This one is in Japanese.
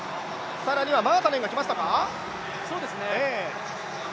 更にはマータネンが来ましたか。